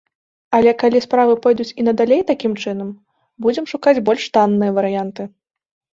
Але калі справы пойдуць і надалей такім чынам, будзем шукаць больш танныя варыянты.